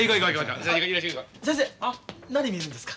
先生何見るんですか？